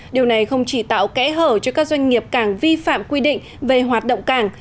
điều này không chỉ tạo kẽ hở cho các doanh nghiệp cảng vi phạm quy định về hoạt động cảng